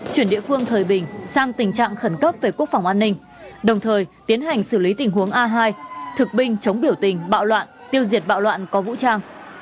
chuyển địa phương thời bình sang tình trạng khẩn cấp về quốc phòng an ninh đồng thời tiến hành xử lý tình huống a hai thực binh chống biểu tình bạo loạn tiêu diệt bạo loạn có vũ trang